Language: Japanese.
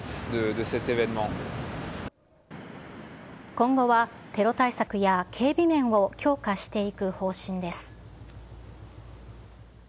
今後は、テロ対策や警備面を強化していく方針です。